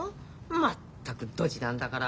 まったくドジなんだから。